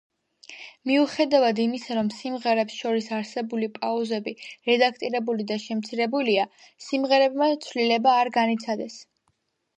მიუხედავად იმისა, რომ სიმღერებს შორის არსებული პაუზები რედაქტირებული და შემცირებულია, სიმღერებმა ცვლილება არ განიცადეს.